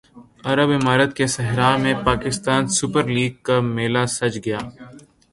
عرب امارات کے صحرا میں پاکستان سپر لیگ کا میلہ سج گیا